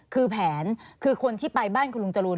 คือแผนคือคนที่ไปบ้านคุณลุงจรูน